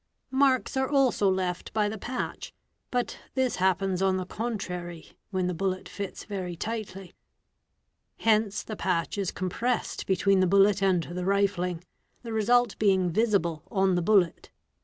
' Marks are also left by the patch, but this happens on the contrary when the bullet fits very tightly. Hence the patch is compressed between the bullet and the rifling; the result being visible on the bullet.